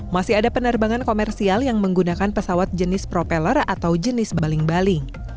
masih ada penerbangan komersial yang menggunakan pesawat jenis propeller atau jenis baling baling